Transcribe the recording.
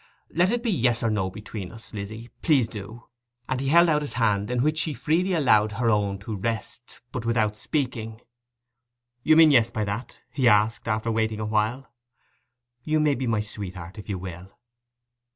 Let it be Yes or No between us, Lizzy; please do!' And he held out his hand, in which she freely allowed her own to rest, but without speaking. 'You mean Yes by that?' he asked, after waiting a while. 'You may be my sweetheart, if you will.